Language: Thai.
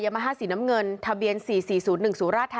ยามห้าภายใดสีน้ำเงินถะเรียนสี่สี่ศูนย์หนึ่ง